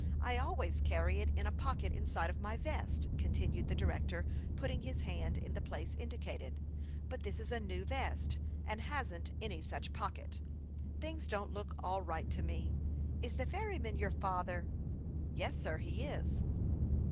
I always carry it in a pocket inside of my vest," con tinued the director, putting his hand on the place indicated ;" but this is a new vest, and hasn't any such pocket. Things don't look all right to me. Is the ferryman your father ?"" Yes, sir ; he is."